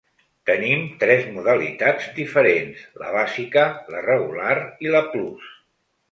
Tenim tres modalitats diferents: la bàsica, la regular i la plus.